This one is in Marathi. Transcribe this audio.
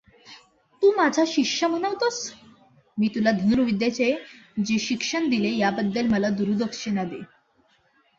तू माझा शिष्य म्हणवतोस, मी तुला धनुर्विद्येचे जे शिक्षण दिले त्याबद्दल मला गुरूदक्षिणा दे.